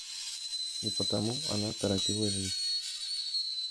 и потому она торопилась жить